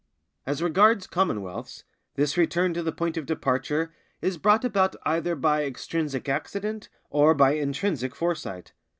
As regards commonwealths, this return to the point of departure is brought about either by extrinsic accident or by intrinsic foresight.